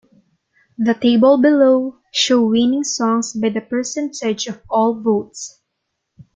The table below show winning songs by the percentage of all votes.